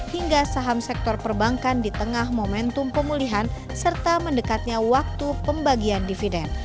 hingga saham sektor perbankan di tengah momentum pemulihan serta mendekatnya waktu pembagian dividen